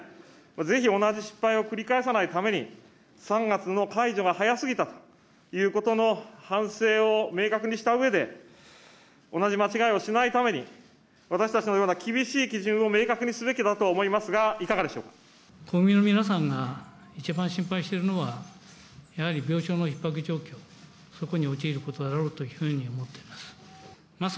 ぜひ同じ失敗を繰り返さないために、３月の解除が早すぎたということの反省を明確にしたうえで、同じ間違いをしないために、私たちのような厳しい基準を明確にすべきだと思いますが、いかが国民の皆さんが一番心配しているのは、やはり病床のひっ迫状況、そこに陥ることだろうというふうに思っています。